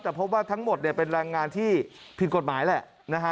แต่พบว่าทั้งหมดเป็นรางงานที่ผิดกฎหมายแหละ